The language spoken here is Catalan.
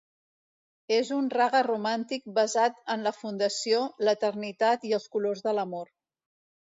És un raga romàntic basat en la fundació, l'eternitat i els colors de l'amor.